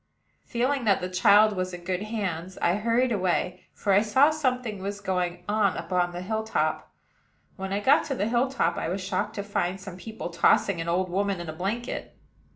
Feeling that the child was in good hands, I hurried away, for I saw something was going on upon the hill top. When I got to the hill top, I was shocked to find some people tossing an old woman in a blanket.